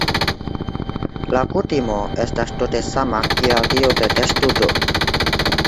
La kutimo estas tute sama kiel tiu de testudo.